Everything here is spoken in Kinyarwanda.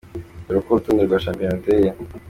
Dore uko urutonde rwa shampiyona ruteye :.